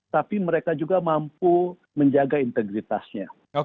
tapi mereka juga mampu menjaga integritasnya